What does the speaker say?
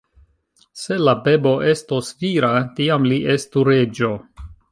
Se la bebo estos vira, tiam li estu reĝo.